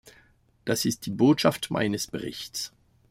Das ist die Botschaft meines Berichts.